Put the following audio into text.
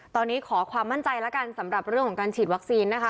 ตอนนี้ขอความมั่นใจแล้วกันสำหรับเรื่องของการฉีดวัคซีนนะคะ